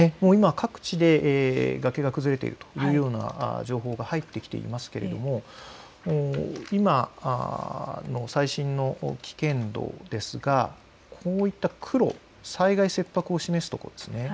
各地で崖が崩れているというような情報が入ってきていますが今の最新の危険度ですがこういった黒、災害切迫を示すところですね。